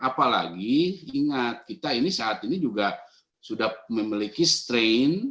apalagi ingat kita ini saat ini juga sudah memiliki strain